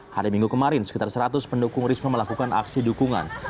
hari minggu kemarin sekitar seratus pendukung risno melakukan aksi dukungan